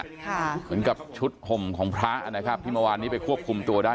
เหมือนกับชุดห่มของพระนะครับที่เมื่อวานนี้ไปควบคุมตัวได้